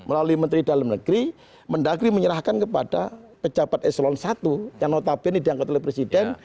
melalui menteri dalam negeri mendagri menyerahkan kepada pejabat eselon i yang notabene diangkat oleh presiden